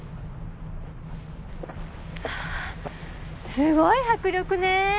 すごい迫力ね。